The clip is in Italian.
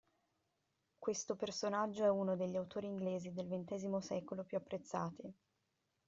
Questo personaggio è uno degli autori inglesi del XX secolo più apprezzati.